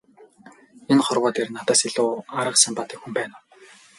Энэ хорвоо дээр надаас илүү арга самбаатай хүн байна уу?